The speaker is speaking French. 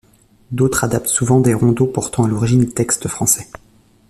D'autres adaptent souvent des rondeaux portant à l'origine des textes français.